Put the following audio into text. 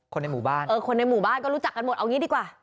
ในหมู่บ้านเออคนในหมู่บ้านก็รู้จักกันหมดเอางี้ดีกว่า